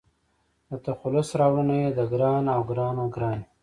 د تخلص راوړنه يې د --ګران--او --ګرانه ګراني